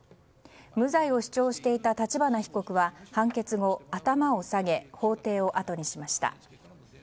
無罪を主張していた立花被告は判決後、頭を下げ法廷をあとにしました。